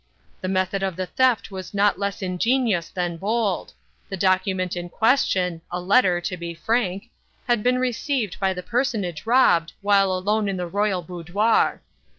The method of the theft was not less ingenious than bold. The document in question—a letter, to be frank—had been received by the personage robbed while alone in the royal boudoir.